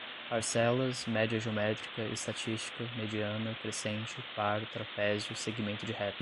parcelas, média geométrica, estatística, mediana, crescente, par, trapézio, segmento de reta